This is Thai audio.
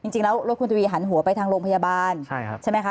จริงแล้วรถคุณทวีหันหัวไปทางโรงพยาบาลใช่ไหมคะ